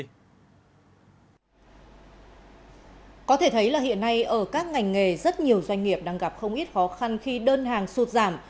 có thể thấy là hiện nay ở các ngành nghề rất nhiều doanh nghiệp đang gặp không ít khó khăn khi đơn hàng sụt giảm